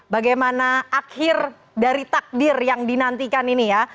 bagaimana akhir dari takdir yang dinantikan ini ya